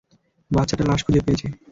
বাচ্চাটা লাশ খুঁজে পেয়েছে।